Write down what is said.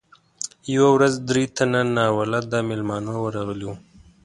یوه ورځ درې تنه ناولده میلمانه ورغلي وو.